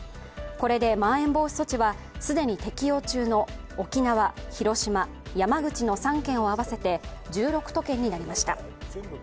これで、まん延防止措置は既に適用中の沖縄、広島、山口の３県を合わせて１６都県になりました。